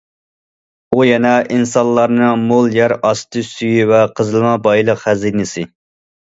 ئۇ يەنە ئىنسانلارنىڭ مول يەر ئاستى سۈيى ۋە قېزىلما بايلىق خەزىنىسى.